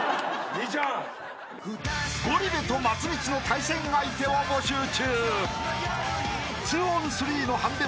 ［ゴリ部と松道の対戦相手を募集中］